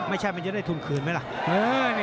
ไม่ใช่มันจะได้ทุนขืนไหมล่ะ